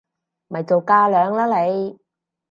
咪做架樑啦你！